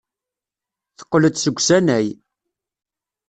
Teqqel-d seg usanay.